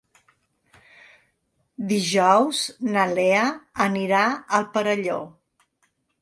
Dijous na Lea anirà al Perelló.